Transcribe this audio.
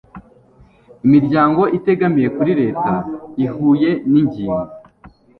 imiryango itegamiye kuri leta ihuye n'ingingo